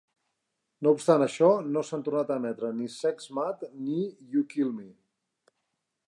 No obstant això, no s"han tornat a emetre ni "Sex Mad" ni "You Kill Me".